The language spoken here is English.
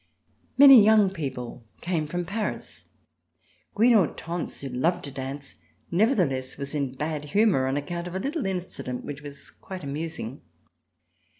Many young people came from Paris. Queen Hortense, who loved to dance, nevertheless was in bad humor, on account of a little incident which was quite amusing.